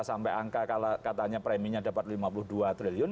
sampai angka katanya preminya dapat lima puluh dua triliun